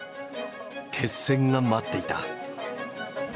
決戦が待っていた。